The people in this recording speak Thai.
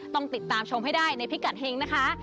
ต้องติดตามชมให้ได้ในพิกัดเฮงนะคะ